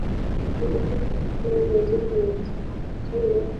na kushusha tuhma nzito kwa waasi na kusema